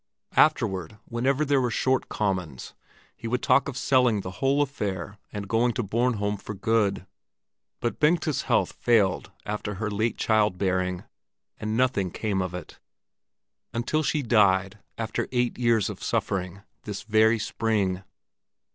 Afterward, whenever there were short commons, he would talk of selling the whole affair and going to Bornholm for good. But Bengta's health failed after her late child bearing, and nothing came of it, until she died after eight years of suffering, this very spring.